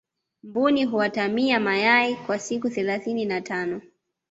mbuni huatamia mayai kwa siku thelathini na tano